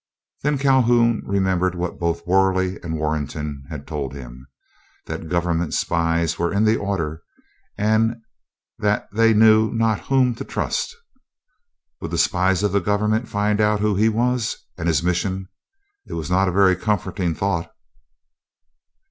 Then Calhoun remembered what both Worley and Warrenton had told him; that government spies were in the order, and that they knew not whom to trust. Would the spies of the government find out who he was, and his mission? It was not a very comforting thought.